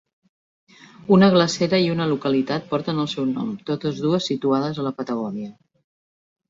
Una glacera i una localitat porten el seu nom, totes dues situades a la Patagònia.